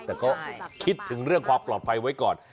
แต่ก็คิดถึงเรื่องความปลอดภัยไว้ก่อน